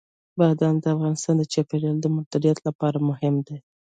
بادام د افغانستان د چاپیریال د مدیریت لپاره مهم دي.